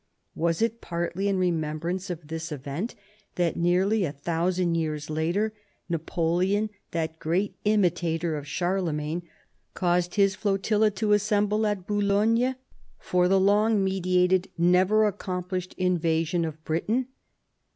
Was it partly in remembrance of this event, that nearly a thousand years later. Napoleon, that great imitator of Charle magne, caused his flotilla to assemble at Boulogne* for the long meditated, never accomplished, invasion of Britain